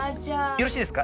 よろしいですか？